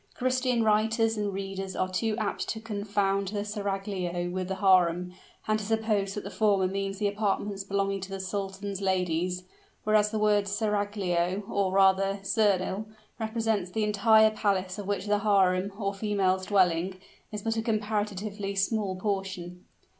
Christian writers and readers are too apt to confound the seraglio with the harem, and to suppose that the former means the apartments belonging to the sultan's ladies; whereas the word seraglio, or rather sernil, represents the entire palace of which the harem, or females' dwelling, is but a comparatively small portion.